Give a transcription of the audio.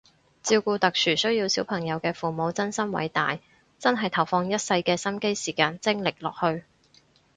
照顧特殊需要小朋友嘅父母真心偉大，真係投放一世嘅心機時間精力落去